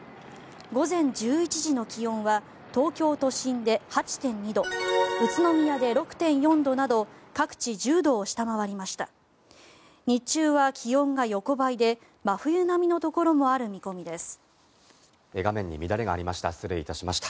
午前１１時の気温は東京都心で８．２度宇都宮で６．４度など各地１０度を下回りました。